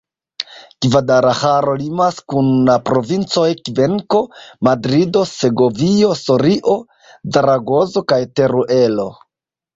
Gvadalaĥaro limas kun la provincoj Kvenko, Madrido, Segovio, Sorio, Zaragozo kaj Teruelo.